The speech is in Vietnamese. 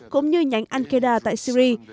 cũng như nhánh al qaeda tại syri